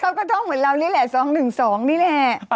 เค้าก็ท่องเหมือนเรานี่แหละสองหนึ่งสองนี่แหละ